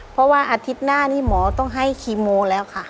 เพราะว่าอาทิตย์หน้านี้หมอต้องให้คีโมแล้วค่ะ